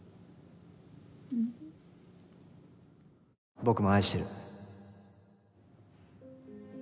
僕も愛してる。